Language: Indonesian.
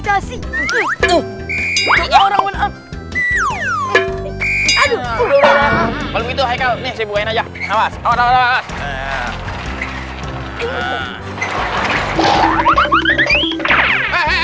kan biasanya kalau disentil